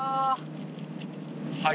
はい。